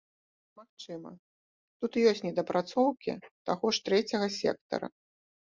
Магчыма, тут ёсць недапрацоўкі таго ж трэцяга сектара.